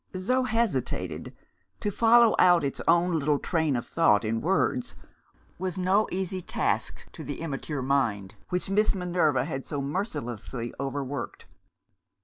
Zo hesitated. To follow out its own little train of thought, in words, was no easy task to the immature mind which Miss Minerva had so mercilessly overworked.